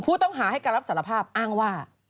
ผู้ต้องหาให้การรับสารภาพอ้างว่า